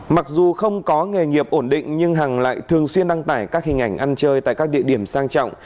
mặc dù không có nghề nghiệp ổn định nhưng hằng lại thường xuyên đăng tải các hình ảnh ăn chơi tại các địa điểm sang trọng